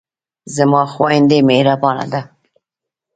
زما خویندې مهربانه دي.